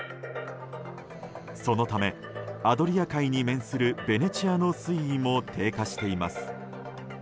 そのため、アドリア海に面するベネチアの水位も低下しています。